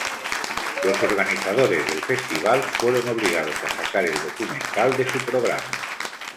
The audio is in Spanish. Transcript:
Los organizadores del festival fueron obligados a sacar el documental de su programa.